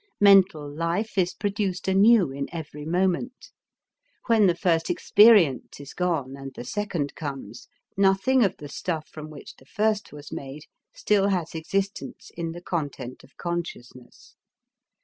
Mental life is produced anew in every moment. When the first experience is gone and the second comes, nothing of the stuff from which the first was made still has existence in the content of consciousness.